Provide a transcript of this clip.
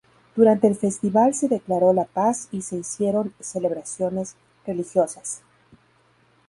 Durante el festival se declaró la paz y se hicieron celebraciones religiosas.